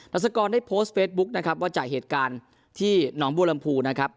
ัสกรได้โพสต์เฟซบุ๊คนะครับว่าจากเหตุการณ์ที่หนองบัวลำพูนะครับ